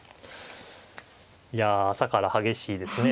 いや朝から激しいですね。